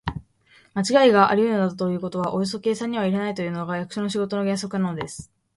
まちがいがありうるなどということはおよそ計算には入れないというのが、役所の仕事の原則なのです。